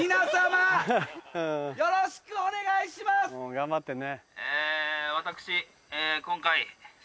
頑張ってね。